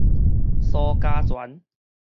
蘇嘉全